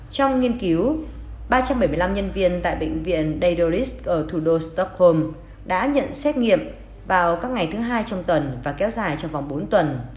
trong nghiên cứu ba trăm bảy mươi năm nhân viên tại bệnh viện daydoris ở thủ đô stockholm đã nhận xét nghiệm vào các ngày thứ hai trong tuần và kéo dài trong vòng bốn tuần